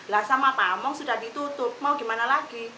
lah sama pamong sudah ditutup mau gimana lagi